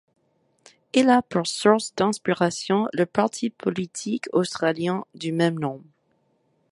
Il a pour source d'inspiration le parti politique australien du même nom.